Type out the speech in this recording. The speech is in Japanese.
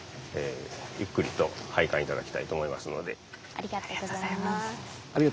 ありがとうございます。